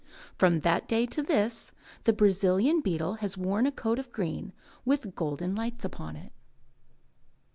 From that day to this, the Brazilian beetle has worn a coat of green, with golden lights upon it.